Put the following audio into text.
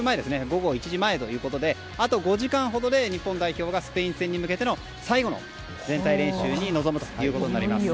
午後１時前ということであと５時間ほどで日本代表がスペイン戦に向けての最後の全体練習に臨むということになります。